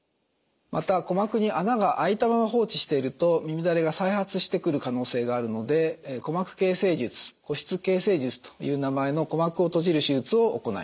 また鼓膜に穴が開いたまま放置していると耳だれが再発してくる可能性があるので鼓膜形成術鼓室形成術という名前の鼓膜を閉じる手術を行います。